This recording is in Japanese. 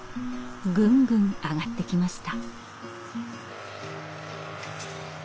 ぐんぐん上がってきました。